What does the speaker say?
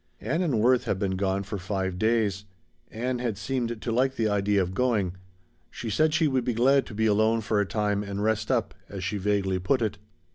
Ann and Worth had been gone for five days. Ann had seemed to like the idea of going. She said she would be glad to be alone for a time and "rest up," as she vaguely put it.